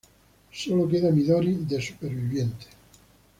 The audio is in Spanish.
Sólo queda Midori de superviviente.